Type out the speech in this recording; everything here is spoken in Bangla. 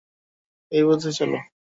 এই পথে চলো।